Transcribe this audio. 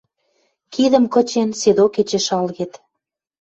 Кидӹм кычен, седок эче шалгет